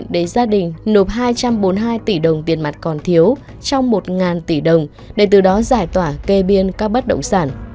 để gia đình nộp hai trăm bốn mươi hai tỷ đồng tiền mặt còn thiếu trong một tỷ đồng để từ đó giải tỏa kê biên các bất động sản